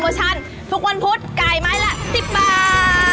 ชันทุกวันพุธไก่ไม้ละ๑๐บาท